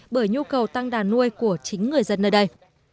bởi nhu cầu tăng đàn nuôi của chính người dân nơi đây